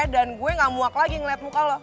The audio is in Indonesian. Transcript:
dan gue gak muak lagi ngeliat muka lo